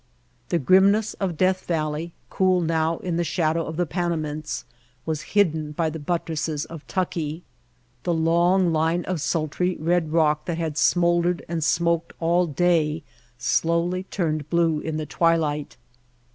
The grim ness of Death Valley, cool now in the shadow of the Panamints, was hidden by the buttresses of Tucki. The long line of sultry red rock that had smoldered and smoked all day slowly turned blue in the twilight.